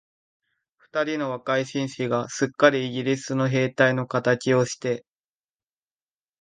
二人の若い紳士が、すっかりイギリスの兵隊のかたちをして、